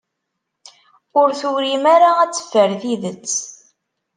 Ur turim ara ad teffer tidet.